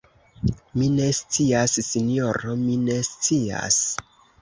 Mi ne scias, sinjoro, mi ne scias!